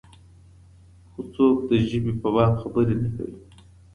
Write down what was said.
خو څوک د ژبې په باب خبرې نه کوي.